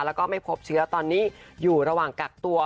แล้วก็ไม่พบเชื้อตอนนี้อยู่ระหว่างกักตัว